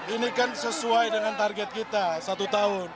ini kan sesuai dengan target kita satu tahun